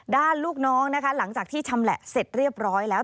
ลูกน้องนะคะหลังจากที่ชำแหละเสร็จเรียบร้อยแล้ว